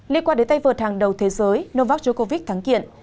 liên quan đến tay vợt hàng đầu thế giới novak djokovic thắng kiện